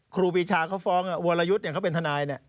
ครูปีชาเขาฟ้องวลยุทธ์อย่างเขาเป็นทนาย